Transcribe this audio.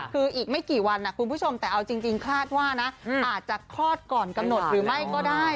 คืออีกไม่กี่วันคุณผู้ชมแต่เอาจริงคาดว่านะอาจจะคลอดก่อนกำหนดหรือไม่ก็ได้